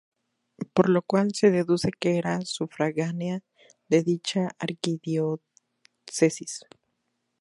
Por lo cual se deduce que era sufragánea de dicha arquidiócesis.